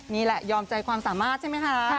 นี่แหละยอมใจความสามารถใช่ไหมคะ